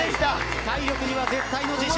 体力には絶対の自信。